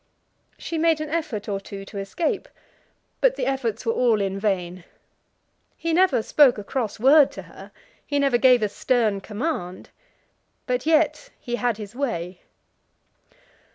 She made an effort or two to escape, but the efforts were all in vain. He never spoke a cross word to her. He never gave a stern command. But yet he had his way.